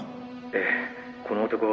ええこの男。